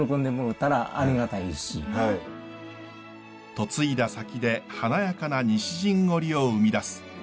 嫁いだ先で華やかな西陣織を生み出す。